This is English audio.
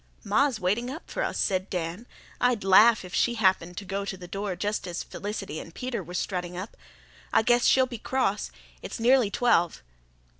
"Ma's waiting up for us," said Dan. "I'd laugh if she happened to go to the door just as Felicity and Peter were strutting up. I guess she'll be cross. It's nearly twelve."